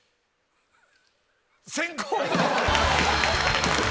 先攻。